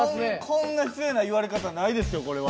こんな失礼な言われ方ないですよこれは。